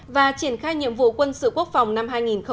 và triển khai nhiệm vụ quân sự quốc phòng năm hai nghìn một mươi tám